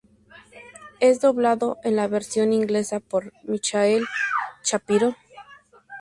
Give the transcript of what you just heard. Es doblado en la versión inglesa por Michael Shapiro.